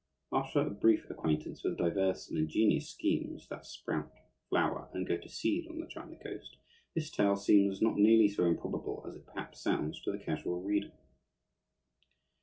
After a brief acquaintance with the diverse and ingenious schemes that sprout, flower, and go to seed on the China Coast, this tale seems not nearly so improbable as it perhaps sounds to the casual reader.